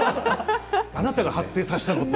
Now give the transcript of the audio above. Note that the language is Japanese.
あなたが発生させたの？